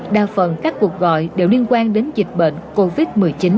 đa phần các cuộc gọi đều liên quan đến dịch bệnh covid một mươi chín